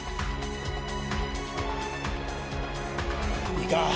いいか？